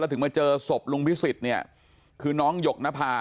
ถึงมาเจอศพลุงพิสิทธิ์เนี่ยคือน้องหยกนภา